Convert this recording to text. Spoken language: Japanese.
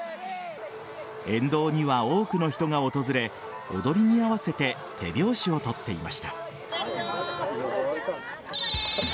沿道には多くの人が訪れ踊りに合わせて手拍子を取っていました。